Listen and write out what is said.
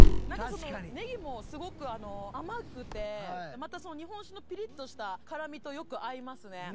なんかそのネギもすごく甘くてまた日本酒のピリッとした辛みとよく合いますね。